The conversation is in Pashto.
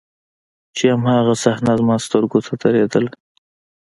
چې هماغه صحنه زما سترګو ته درېدله.